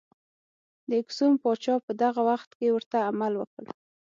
د اکسوم پاچا په دغه وخت کې ورته عمل وکړ.